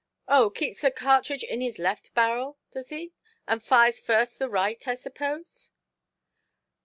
"Oh, keeps a cartridge in his left barrel, does he; and fires first the right, I suppose"?